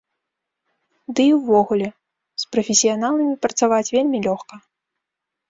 Ды і ўвогуле, з прафесіяналамі працаваць вельмі лёгка.